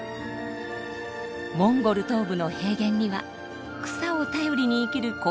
モンゴル東部の平原には草を頼りに生きる